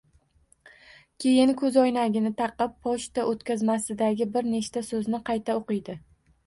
Keyin koʻzoynagini taqib pochta oʻtkazmasidagi bir nechta soʻzni qayta oʻqiydi.